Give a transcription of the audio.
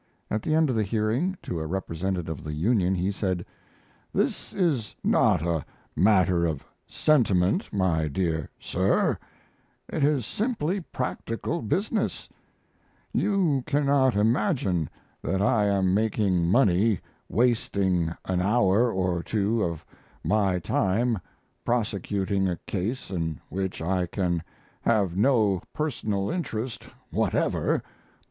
At the end of the hearing, to a representative of the union he said: "This is not a matter of sentiment, my dear sir. It is simply practical business. You cannot imagine that I am making money wasting an hour or two of my time prosecuting a case in which I can have no personal interest whatever.